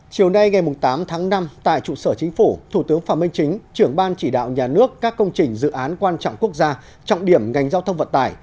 chiều nay ngày tám tháng năm tại trụ sở chính phủ thủ tướng phạm minh chính trưởng ban chỉ đạo nhà nước các công trình dự án quan trọng quốc gia trọng điểm ngành giao thông vận tải